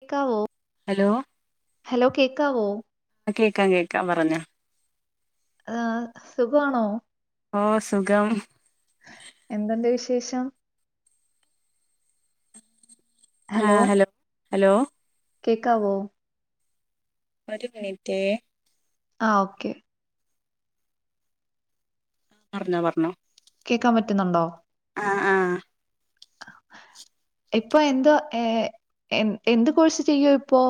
കേക്കാവോ hello hello കേക്കാവോ ആ കേൾക്കാം കേൾക്കാം പറഞ്ഞോ ആഹ് സുഖമാണോ ഓ സുഖം എന്തുണ്ട് വിശേഷം ആഹ ഹലോ ഹലോ കേൾക്കാവോ ഒരു മിനിറ്റ് ആ ഓക്കെ പറഞ്ഞോ പറഞ്ഞോ കേക്കാൻ പറ്റുന്നുണ്ടോ ആഹ്‌ ആഹ് ഇപ്പൊ എന്തോ ഏ എ എന്ത് കോഴ്സ് ചെയ്യ പ്പോ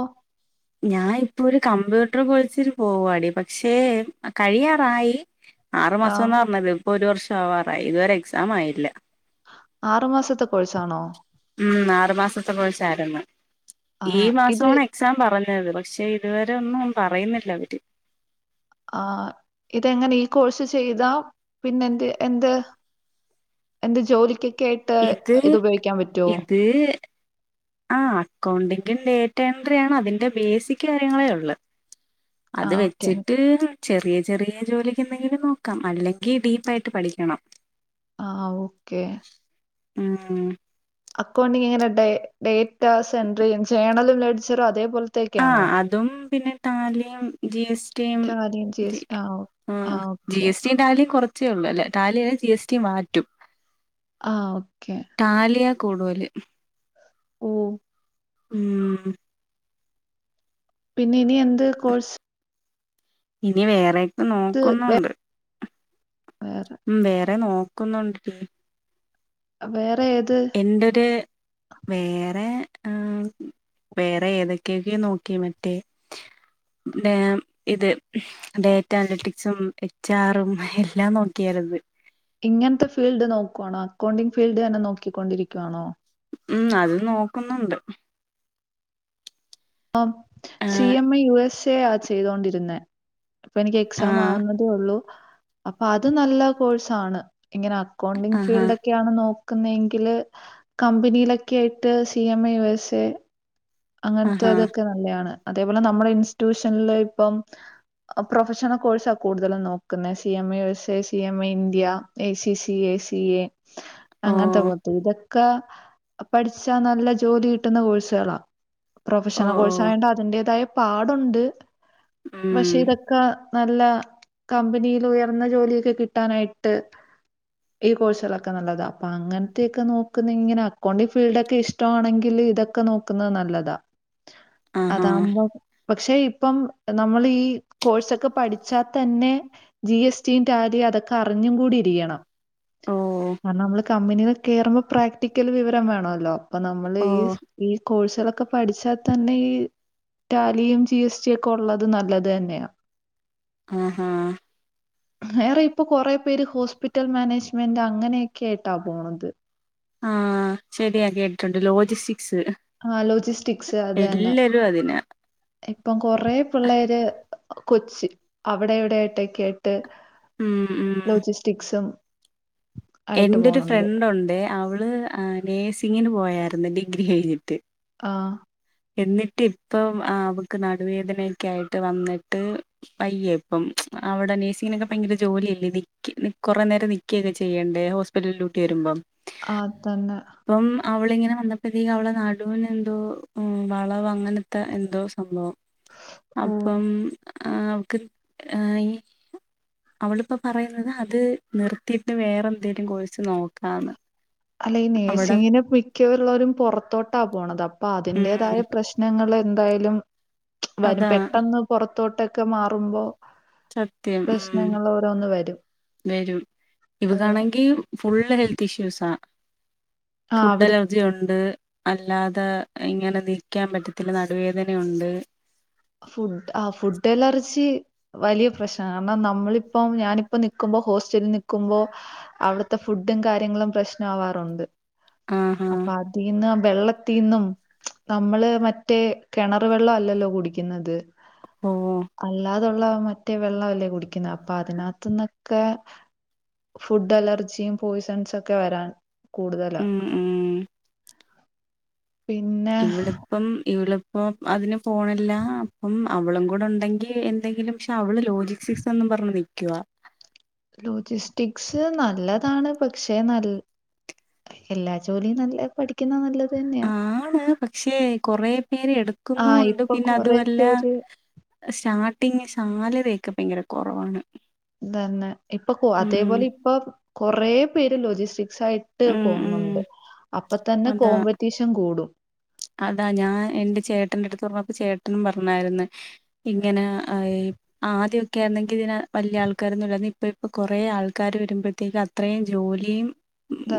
ഞാൻ ഇപ്പോരു കമ്പ്യൂട്ടർ കോഴ്സിന് പോവാടി പക്ഷേ കഴിയാറായി ആറു ആ, മാസന്നാ പറഞ്ഞത് ഇപ്പൊ ഒരു വർഷവാറായി ഇതുവരെ എക്സാം ആയില്ല ആറുമാസത്തെ കോഴ്സാണോ? ഉം ആറു മാസത്തെ കൊഴ്സായിരുന്നു ആ ഈ ഇത് മാസാണെ എക്സാം പറഞ്ഞത് പക്ഷേ ഇതുവരെ ഒന്നും പറയുന്നില്ല അവര് ആ ഇതെങ്ങനെ ഈ കോഴ്സ് ചെയ്താ പിന്നെന്ത് എന്ത് എന്തോ ജോലിക്കൊക്കായിട്ട് ഇത് ഇത്പയോഗിക്കാൻ പറ്റൊ? [unintelligible] ആ അക്കൗണ്ടിങ്ങും ഡേറ്റ എൻട്രി ആണ് അതിൻ്റെ ബേസിക്കാര്യങ്ങളാണു ള്ളെ ആ അത് ഓക്കെ വെച്ചിട്ട്.. ചെറിയ ചെറിയ ജോലിക്കെന്തെങ്കിലും നോക്കാം അല്ലെങ്കിൽ ഡീപ്പായിട്ട് പഠിക്കണം. ആഓക്കേ. ഉം അക്കൗണ്ടിങ്ങനെണ്ട് ഡേറ്റ സെൻഡ്രിയും ജേണലും ലെഡ്ജറും അതേപോലെ. ആ അതും പിന്നെ ട്ടാലിയും. ജി എസ് ടിയും ടാലിയം ജി എസ് ആ ഓ ആ ആഹ് ജി ഓക്കെ എസ് ടിയും ട്ടാലിയും കൊർ ച്ചേ ഉള്ളൂ അല്ലേ ട്ടാലിയായ ജി എസ് ടിയും വാറ്റും. ആ ഓക്കെ. ട്ടാലിയാ കൂടുവല്. ഓ. ഉംഹ്. പിന്നെ ഇനി എന്ത് കോഴ്സ്. ഇനി വേറൊക്കെ നോക്കുന്നുണ്ട്. വേറെ. ഉംഹ്‌ വേറെ നോക്കുന്നുണ്ടെ ടീ. വേറെ ഏത്? ന്റൊരു വേറെ ആം വേറെ ഏതൊക്കൊക്കെ നോക്കി മറ്റേ. ടേമ് ഇത്. ഡേറ്റ അനലറ്റിക്സും എച്ച് ആറും എല്ലാം നോക്കിയാര്ന്ന്. ഇങ്ങനത്തെ ഫീൽഡ് നോക്കുവാണോ അക്കൗണ്ടിങ്ങ് ഫീൽഡ് തന്നെ നോക്കിക്കൊണ്ടിരിക്കുവാണോ? ഉംഹ്‌ അത് നോക്കുന്നുണ്ട്. ആ സി ആഹ് M I U S A യാ ചെയ്തോണ്ടിരുന്നേ. ഇപ്പനിക്ക് എക്സാം ആഹ് ആവുന്നതേള്ളൂ അപ്പൊ അത് നല്ല കോഴ്സാണ്. ഇങ്ങന അക്കൗണ്ടിങ്ങ് ആഹാ ഫീൽഡോക്കെ ക്കെയാണ് നോക്കുന്നെങ്കില് കമ്പനിയിലൊക്കായിട്ട് C M A U S A. അങ്ങനത്തെ ആഹാ അതൊക്കെ നല്ല്യാണ്. അതേപോലെ നമ്മുടെ ഇൻസ്റ്റിറ്റ്യൂഷനില് ഇപ്പം. പ്രൊഫഷണൽ കോഴ്സാ കൂടുതലും നോക്കുന്നെ. സി എം എയു സെ C M A India. A C C A, C A. അങ്ങൻത്തെ ഓഹ് പോൽത്തെ ഇതൊക്കെ പഠിച്ചാ നല്ല ജോലി കിട്ടുന്ന കോഴ്സുകളാ. പ്രൊഫഷണൽ ഓഹ് ഓഹ് കോഴ്സായോണ്ട് അതിന്റേതായ പാടുണ്ട് പക്ഷെ ഉം ഇതൊ ഒക്കെ നല്ല കമ്പനിൽ ഉയർന്ന ജോലിയൊക്കെ കിട്ടാനായിട്ട്. ഈ കോഴ്സുകളൊക്കെ നല്ലത. അപ്പൊ അങ്ങൻത്തെയൊക്കെ നോക്കുന്ന ങ്ങനെ അക്കൗണ്ടി്ങ്ങ് ഫീൽഡോക്കെ ഇഷ്ട്ടോണെങ്കില് ഇതൊക്കെ നോക്ക. ക്കുന്നത് നല്ലതാ ആഹാ അതാമ്പോ. പക്ഷെ ഇപ്പം നമ്മളീ കോഴ്സൊക്കെ പഠിച്ചാ തന്നെ. ജി എസ് ടി യും ടാലി അതൊക്കെ അറിഞ്ഞും കൂടി ഇരിക്കണം. ഓഹ് കാരണം നമ്മള് കമ്പനിയിൽ കേറുമ്പോ പ്രാക്ടിക്കൽ വിവരം വേണല്ലോ. അപ്പൊ നമ്മള് ഈ ഓഹ് ഈ കോഴ്സുകളൊക്കെ പഠിച്ചാ തന്നെ ഈ. റ്റാലിയും ജി എസ് ടി ഒക്കെ ഒള്ളത് നല്ലത് തന്നെയാ. ആഹ ആഹ്. വേറെ ഇപ്പൊ കൊറെ പേര് ഹോസ്പിറ്റൽ മാനേജ്മെന്റ് അങ്ങനെയൊക്കെ ആയിട്ടാ പോണത്. ആഹ് ശരിയാ കേട്ടിട്ടുണ്ട് ലോജിസ്റ്റിക്സ്. ആഹ് ലോജിസ്റ്റിക്സ് അത് തന്നെ. എല്ലാരും അതിനാ ഇപ്പം കൊറ പിള്ളേര് കൊച്ച്. അവിടെ ഇവിടെ ആയിട്ടൊക്കെ ആയിട്ട് ഉം ഉം ലോജിസ്റ്റിക്സും. ആയിട്ട് എന്റെ ഒരു പോണുണ്ട്. ഫ്രണ്ട് ഉണ്ട് അവള് നേഴ്സിംഗിന് പോയായിരുന്നു ഡിഗ്രി കഴിഞ്ഞിട്ട്. ആഹ് എന്നിട്ട് ഇപ്പം ആഹ് അവക്ക് നടുവേദനൊക്ക ആയിട്ട് വന്നിട്ട് വയ്യ ഇപ്പം അവിടെ നഴ്സിങ്ങിനൊക്കെ ഭയങ്കര ജോലിയല്ലേ നിക്ക്‌ കൊറേ നേരം നി ക്ക്‌ ഒക്കെ ചെയ്യേണ്ടെ ഹോസ്പിറ്റല്ഡ്യൂട്ടി വരുമ്പം ആതന്നെ അപ്പം അവളിങ്ങനെ വന്നപ്പോഴത്തേക്ക് അവളെ നടുവിന് എന്തോ ഉം വളവ് അങ്ങനത്തെ എന്തോ സംഭവം ഓഹ്. അപ്പം ആഹ് അവക്ക് ആഹ് ഈ അവളിപ്പ പറയുന്നത് അത് നിർത്തിയിട്ട് വേറെ എന്തേലും കോഴ്സ് നോക്കാന്ന് അല്ലെ ഈ അവിടെ നേഴ്സിങ്ങിന് മിക്ക്‌ഉള്ളോരും പുറത്തോട്ടാ പോണത് അപ്പൊ ഉം അതിന്റേതായ പ്രശ് നങ്ങൾ എന്തായാലും വരും അതാ പെട്ടെന്ന് പുറത്തോട്ടൊക്കെ മാറുമ്പോ സത്യം ഉം പ്രശ്നങ്ങള് ഓരോന്ന് വരും. വരും അത് ഇവക്കണെങ്കി ഫുൾ ഹെൽത്ത് ഇഷ്യൂസ ആഹ് അവിടെ ഫുഡിലും ജി ഉണ്ട് അല്ലാതെ ഇങ്ങനെ നിൽക്കാൻ പറ്റത്തില്ല നടുവേദനഒണ്ട് ഫുഡ് ആ ഫുഡ് അലർജി വലിയ പ്രശ്ന കാരണം നമ്മളിപ്പം ഞാനിപ്പോ നിക്കുമ്പോ ഹോസ്റ്റലിൽ നിക്കുമ്പോ അവിടുത്തെ ഫുഡും കാര്യങ്ങളും പ്രശ്നമാവാറുണ്ട് ആഹാ അപ്പൊ അ തിന്നും വെള്ളത്തിന്നും നമ്മള് മറ്റേ കിണർ വെള്ളം അല്ലല്ലോ കൂടി ക്കുന്നത് ഓഹ് അല്ലാതുള്ള മറ്റേ വെള്ളല്ലേ കുടിക്കുന്നെ അപ്പൊ അതിനകത്തുന്നൊക്കെ ഫുഡ് അലർജിം, പോയ്സൺസ് ഒക്കെ വരാൻ കൂടുതല ഉം ഉം ഇവിടെ ഇപ്പം ഇവളിപ്പോ അതിന് പോണില്ല അപ്പം അവളും കൂടെ ഉണ്ടെങ്കി എന്തെങ്കിലും പക്ഷെ അവള് ഒരു ലോജിക് സിക്സ് എന്നും പറഞ്ഞ് നിക്കുവാ ലോജിസ്റ്റിക്സ് നല്ലതാണ് പക്ഷെ നല് എല്ലാ ജോലിയും നല്ല പഠി ക്ക്‌ന്നെ നല്ലത് തന്നെ ആണ് പക്ഷെ കൊറെ പേര് ആ എടുക്കുന്നു ഉണ്ട് ഇപ്പൊ പിന്നെ അതുപോലെ [unintelligible] സ്റ്റാർട്ടിങ് സാലറി ഒക്കെ ഭയങ്കര കുറവാണ് ഇതന്നെ ഇപ്പൊ അതേപോലെ ഇപ്പൊ കൊറ പേര് ലോജിസ്റ്റിക്സ് ആയി ട്ട് ഉം ഉം പോന്നുണ്ട് അപ്പൊ തന്നെ അതാ കോമ്പറ്റീഷൻ കൂടും അതാ ഞാൻ എന്റെ ചേട്ടന്റെ എടുത്ത് പറഞ്ഞപ്പോ ചേട്ടനും പറഞ്ഞാരുന്നു ഇങ്ങനെ ഈ ആദ്യഓക്കെ ആരുന്നെങ്കി ഇതിന് വലിയ ആൾക്കാരൊന്നും ഇല്ലാരുന്നു ഇപ്പൊ ഇപ്പൊ കൊറേ ആൾക്കാര് വരുമ്പോഴത്തേക്ക് അത്രേം ജോലിയും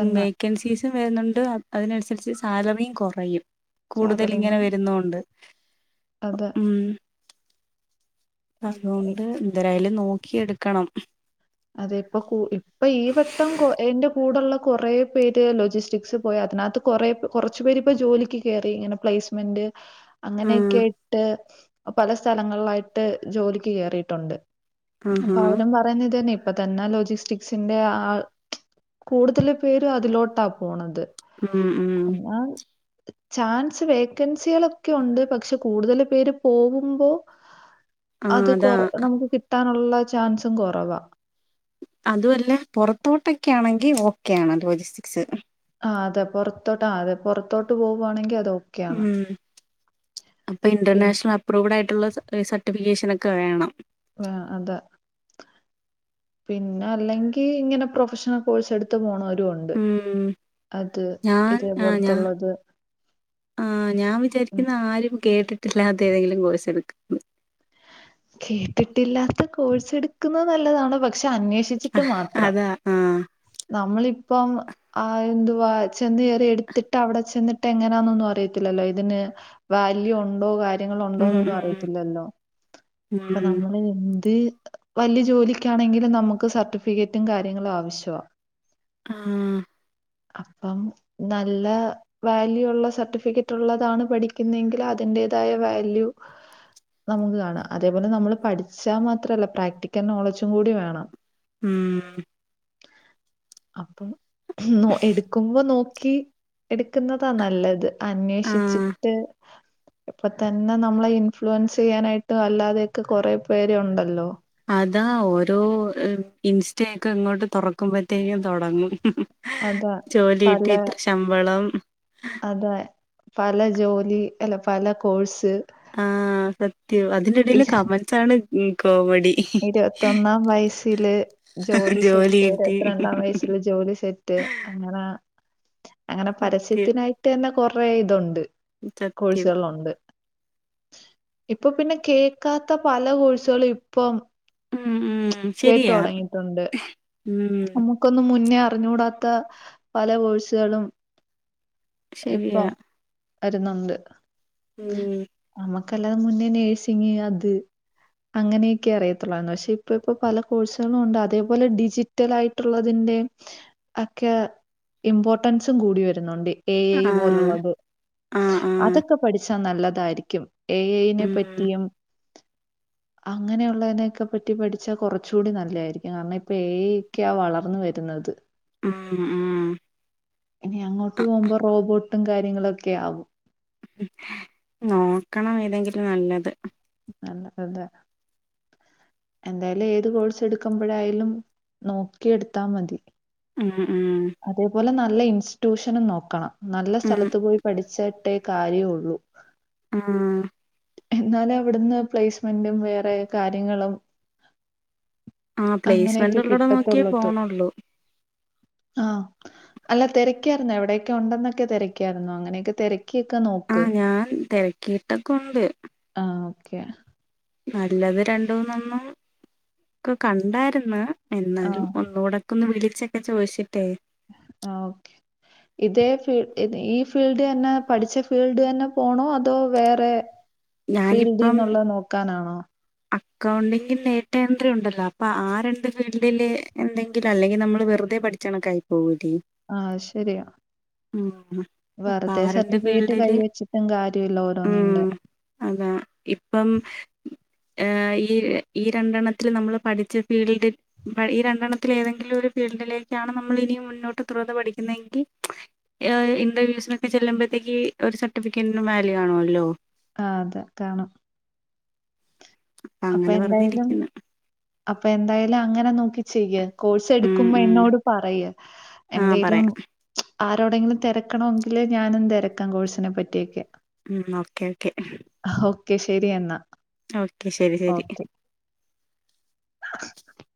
ഉം വേക്കൻസീസും വരുന്നുണ്ട് അതിനനുസരിച്ച് സാലറിയും കുറയും കൂടുതൽ ഇങ്ങനെ വരുന്നോണ്ട് അത ഉം അതുകൊണ്ട് എന്തരായാലും നോക്കി എടുക്കണം അതെ ഇപ്പം കു ഇപ്പൊ ഈ വട്ടം എന്റെ കൂടഒള്ള കുറെ പേര് ലോജിസ്റ്റിക്സ് പോയി അതിനത്ത് കൊറേ ഇപ്പം കൊറച്ചു പേരിപ്പൊ ജോലിക്ക് കേറി ഇങ്ങനെ പ്ലേസ്മെന്റ് ആഹ് അങ്ങനേക്കേട്ട് പല സ്ഥലങ്ങളിലായിട്ട് ജോലിക്ക് കേറീട്ടുണ്ട് അപ്പൊ ആഹാ അവരും പറയുന്ന ഇത് തന്നെ ഇപ്പൊ തന്നാ ലോജിസ്റ്റിക്സിന്റെ ആഹ് കൂടുതല് പേര് അതിലോട്ടാ പോണത് ഉം ഉം [unintelligible] ചാൻസ് വേക്കൻസികളൊക്കെ ഉണ്ട് പക്ഷെ കൂടുതൽ പേര് പോവുമ്പോ ആ അത് അതാ കൊറ നമുക്ക് കിട്ടാനുള്ള ചാൻസും കൊറവാ അതൂഅല്ല പുറത്തോട്ടൊക്കെ ആണെങ്കി ഓക്കെയാണ് ലോജിസ്സിക്സ് ആഹ് തെ പുറത്തോട്ട് ആതെ പുറത്തോട്ട് പോകാണെങ്കിൽ അതോ ഉം അപ്പൊ പിന്നെ ഇന്റർനാഷണൽ പ്രൂവ്ഡാ യിട്ടുള്ള സർട്ടിഫിക്കേഷനൊക്കെ വേണം വാ അതെ പിന്നല്ലങ്കി ങ്ങനെ പ്രൊഫഷണൽ കോഴ്സെടുത്ത് പോണോരുംണ്ട് ദ് ഉം അത് ഞാൻ ആ ഞാൻ ഇതേപോലത്തൊള്ളത് ആ ഞാൻ വിചാരിക്ക്ന്ന് ആരും കേട്ടിട്ടില്ലാത്ത ഏതെങ്കിലും കോഴ്സ് എടുക്കുംന്ന് കേട്ടിട്ടില്ലാത്ത കോഴ്സ് എടുക്കുന്നത് നല്ലതാണ് പക്ഷെ അന്വേഷിച്ചിട്ട് മാത്രം അതാ ആ നമ്മളിപ്പം ആ എന്തുവാ ചെന്ന് കേറി എടുത്തിട്ട് അവിടെ ചെന്നിട്ടെങ്ങനാന്നൊന്നും അറിയത്തില്ലല്ലോ ഇതിന് വാല്യൂ ഉണ്ടോ കാര്യങ്ങളുണ്ടോ എന്നൊന്നും ഉം അറിയത്തില്ലല്ലോ ഉം അപ്പ ഉം നമ്മള് ന്ത് വല്യ ജോലിക്കാണെങ്കിലും നമുക്ക് സർട്ടിഫിക്കറ്റും കാര്യങ്ങളും ആവശ്യാ ആഹ് അപ്പം നല്ല വാല്യൂ ള്ള സർട്ടിഫിക്കറ്റു ള്ളതാണ് പഠിക്കുന്നെങ്കി അതിൻന്റേതായ വാല്യൂ നമുക്ക് കാണാ അതേപോലെ നമ്മൾ പഠിച്ചാൽ മാത്രമല്ല പ്രാക്ടിക്കൽ നോളജും കൂടി വേണം ഉം അപ്പം ന്നോ എടുക്കുമ്പോ നോക്കി എടുക്കുന്നതാ നല്ലത് ആ അന്വോഷിച്ചിട്ട് ഇപ്പൊ തന്നെ നമ്മളെ ഇൻഫ്ലുവൻസെ യ്യാനായിട്ട് അല്ലാതെക്കെ കൊറേ പേരു ണ്ടല്ലോ അതാ ഓരോ ഇൻസ്റ്റേക്കെ ഇങ്ങോട്ട് തുറ ക്കുമ്പോത്തേക്കും തൊടങ്ങും അതാ ജോലിട്ടി ത്ര ശമ്പളം അതെ പല ജോലി അല്ല പല കോഴ്സ് ആഹ് സത്യം അതിന്റെടീല് കമൻസാ ണ് കോമഡി ഇരുവത്തൊന്നാം വയസ്സില് ജോലി സെറ്റ് രത് രണ്ടാം വയസ്സിൽജോലി സെറ്റ് അങ്ങനാ അങ്ങനെ സത്യം പരസ്യത്തിനായിട്ടെന്നെ കൊറേ തൊണ്ട് സത്യം കോഴ്സോളുണ്ട് ഇപ്പൊ പിന്നെ കേക്കാത്ത പല കോഴ്സുകളളുഇപ്പം ഉം, ഉം. ശരിയാ. കേട്ടോടങ്ങീട്ടുണ്ട് ഉം. ൻക്കൊന്നും മുന്നേ അറിഞ്ഞൂടാത്ത പല കോഴ്സുകളും ശരിയാ. ഇപ്പം അരുന്നുണ്ട് ഉം നമ്മുക്കല്ലാതെ മുന്നേ നഴ്സിങ് അത് അങ്ങനെ ക്കറിയത്തൊള്ളായ്രുന്നു പക്ഷെ കറിയത്തൊള്ളൂ ഇപ്പ പ്പ പല കോഴ്സുകളുണ്ട് അതേപോലെ ഡിജിറ്റലായി ട്ടുള്ളതിന്റെ ആക്കെ ഇമ്പോർട്ടൻസും കൂടി വരുന്നുണ്ട് ഏ യയ് ആഹ്. പോലുള്ളത് ആഹ്, ആഹ്. അതൊക്കെ പഠിച്ചാ നല്ലതായിരിക്കും ഏ യ യിനെ ഉം. പറ്റിയും അങ്ങനെയുള്ളതിനെൊക്കെ പറ്റി ങ്ങനേളളവനൊക്കെ പറ്റിപഠിച്ചാൽ കൊറച്ചൂടി നല്ലായ്രിക്കും കാരണ പ്പോ ഏ ഐയൊക്കാ വളർന്നു വരുന്നത് ഉം ഉം ഞി അങ്ങോട്ട് പോകുമ്പോ റോബോട്ടും കാര്യങ്ങളൊക്കെ ആവും നോക്കണം ഏതെങ്കിലും നല്ലത് [unintelligible] ന്തായാലും ഏത് കോഴ്സെ ടുക്കുമ്പോഴായലും നോക്കി എടുത്താ മതി ഉം ഉം അതേപോലെ നല്ല ഇൻസ്റ്റിറ്റ്യൂഷനും നോക്കണം നല്ല ഉം. സ്ഥലത്ത് പോയി പഠിച്ചിട്ടേ കാര്യഉള്ളൂ ഉം ഉം എന്നാലും അവിടെന്ന് പ്ലേസ്മെന്റും വേറെ കാര്യങ്ങളും.. ആഹ് പ്ലേസ്മെന്റ് അങ്ങനെയൊക്കെ ഉള്ളടം നോക്കിയേ കിട്ടത്തൊള്ളുത് പോണൊള്ളൂ. ആഹ് അല്ല തിരക്കായിരുന്നു എവിയെക്കുണ്ടന്ന് തിരക്കായിരുന്നു അങ്ങനെയൊക്കെ തിരക്ക ക്ക്‌യൊക്കെ നോക്കി ആഹ് ഞാൻ തെരക്കിട്ടൊക്ക ഉണ്ട് ആഹ് ഓക്കെ നല്ലത് രണ്ടുന്നോണം ഒക്കെ കണ്ടായിരെന്ന് ആ. എന്നാലും ഒന്നൂടെ മഒന്ന് വിളിച്ചൊക്കെ ചോയ്ച്ചിട്ടെ ആഹ് ഓക്കെ ഇതേ ഫീൽ ഹ് ഈ ഫീൽഡ്ന്നെ പഠിച്ച ഫീൽഡ് തന്നെ പോണോ അതോ വേറെ ഫീൽഡിന്നുള്ളത് നോക്കാനാണോ അക്കൗണ്ടിങ്ങി നെറ്റേറായിട്ടിയ്യുണ്ട്ലോ അപ്പൊ ആ രണ്ട് ഫീൽഡില് എന്തെങ്കിലും അല്ലെങ്കിൽ നമ്മൾ വെറുതെ പഠിച്ച ച്ചണക്കായി പോവുണ്ടി ആഹ് ശരിയാ അപ്പൊ വെറുതെ ആ രണ്ട് സർട്ടിഫിക്കറ്റ് കൈ ഫീൽഡില് വച്ചിട്ടും കാര്യല്ല ഉം ഓരോന്നിറ്റ് അതാ ഇപ്പം ഏഹ് ഈ ഈ രണ്ടെണ്ണത്തിൽ നമ്മൾ പഠിച്ച ഫീൽഡ് മ് ഈ രണ്ടെണ്ണത്തിൽ ഏതെങ്കിലും ഒരു ഫീൽഡിലേക്കാണ് നമ്മൾ ഇനിയും മുന്നോട്ട് തുടർന്ന് പഠിക്കുന്നതെങ്കിൽ മ്മച് ഏഹ് ഇന്റർവ്യൂസിനക്ക ചെലുപോത്തെക്കി ഒരു സർട്ടിഫിക്കറ്റി വാല്യു ആണോല്ലോ ആഹ് അതെക്കാണ് അപ്പൊ അങ്ങനെ എന്തായാലും പറഞ്ഞിരിക്കുന്നു അപ്പൊ എന്തായാലും അങ്ങനെ നോക്കി ചെയ്യാ കോയ്സ് ഉം എടുക്കുമ്പോ ഉം എന്നോട് പറയ്യ് ആഹ് എന്തേലും പറയാം ആരോടെങ്കിലും തിരക്കണെങ്കില് ഞാനും തിരക്കാം കോഴ്സിനെ പറ്റിയൊക്കെ ഉം ഓക്കേ ഓക്കെ അഹ് ഓക്കെ ശരി എന്നാ അഹ് ഓക്കെ ശരി ശരി ഓക്കെ. [inaudible]